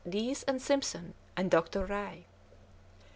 Dease and Simpson and Dr. Rae.